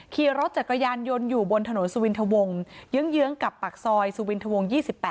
ขี่รถจักรยานยนต์อยู่บนถนนสุวินทวงเยื้องกับปากซอยสุวินทวง๒๘